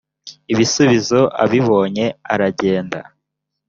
ibisubizo abibonye aragenda